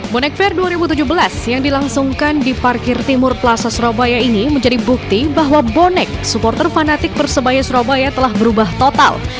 bonek fair dua ribu tujuh belas yang dilangsungkan di parkir timur plaza surabaya ini menjadi bukti bahwa bonek supporter fanatik persebaya surabaya telah berubah total